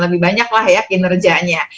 lebih banyak lah ya kinerjanya